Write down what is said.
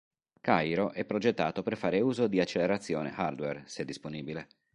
Cairo è progettato per fare uso di accelerazione hardware, se disponibile.